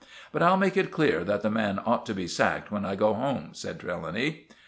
"But I'll make it clear that the man ought to be sacked when I go home," said Trelawny.